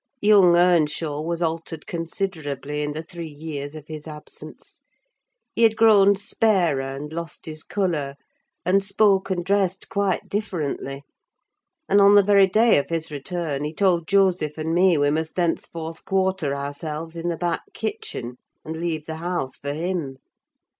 Young Earnshaw was altered considerably in the three years of his absence. He had grown sparer, and lost his colour, and spoke and dressed quite differently; and, on the very day of his return, he told Joseph and me we must thenceforth quarter ourselves in the back kitchen, and leave the house for him.